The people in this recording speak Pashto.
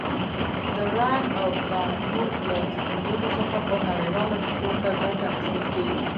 د راین او دانوب له سیندونو څخه په نړیواله ټوګه ګټه اخیستل کیږي.